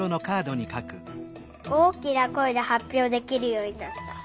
「大きな声ではっぴょうできるようになった」。